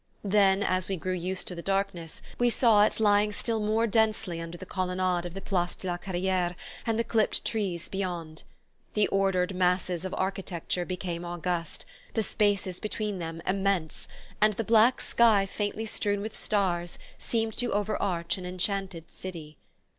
Then, as we grew used to the darkness, we saw it lying still more densely under the colonnade of the Place de la Carriere and the clipped trees beyond. The ordered masses of architecture became august, the spaces between them immense, and the black sky faintly strewn with stars seemed to overarch an enchanted city.